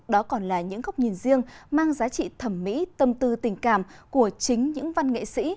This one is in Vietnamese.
đó còn là những góc nhìn riêng mang giá trị thẩm mỹ tâm tư tình cảm của chính những văn nghệ sĩ